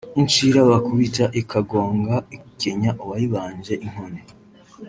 Incira bakubita ikagonga ikenya uwayibanje inkoni